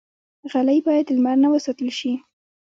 غلۍ باید د لمر نه وساتل شي.